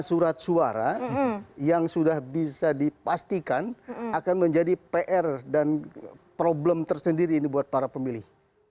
surat suara yang sudah bisa dipastikan akan menjadi pr dan problem tersendiri ini buat para pemilih